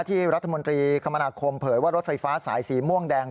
ที่รัฐมนตรีคมนาคมเผยว่ารถไฟฟ้าสายสีม่วงแดง